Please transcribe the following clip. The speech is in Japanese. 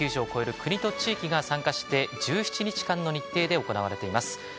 ９０を超える国と地域が参加して１７日間の日程で行われています。